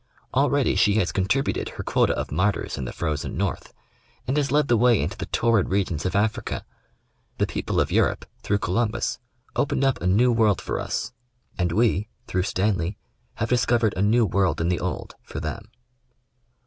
Already she has contributed her quota of martyrs in the frozen north, and has led the way into the torrid regions of Africa. The people of Europe, through Columbus, opened up a new world for us ; and we. 8 National Geographic Magazine. through Stanley, have discovered a new world in the old, for them.